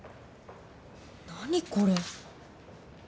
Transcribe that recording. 何これ。